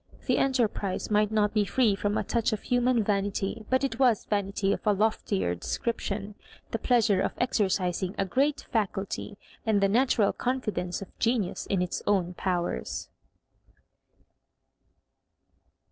T he enterprise might not be free from a touch of human vanity, but it was vanity of a loftier de scription: the pleasure of exercising a great faccUty, and the natural confidence of genius in its own powers.